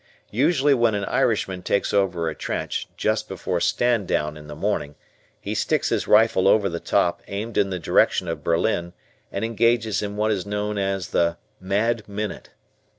Usually when an Irishman takes over a trench, just before "stand down" in the morning, he sticks his rifle over the top aimed in the direction of Berlin and engages in what is known as the "mad minute."